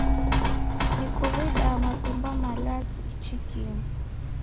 Nikuw'ida mapemba malazi ichi kimu